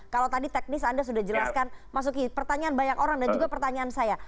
kalau tadi teknis anda sudah jelaskan mas uki pertanyaan banyak orang dan juga pertanyaan saya